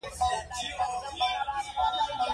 د پایزیب شرنګ دی ورو ورو ږغیږې